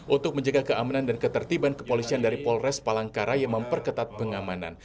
untuk menjaga keamanan dan ketertiban kepolisian dari polres palangkaraya memperketat pengamanan